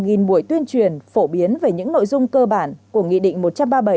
nghìn buổi tuyên truyền phổ biến về những nội dung cơ bản của nghị định một trăm ba mươi bảy